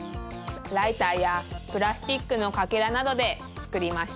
ライターやプラスチックのかけらなどでつくりました。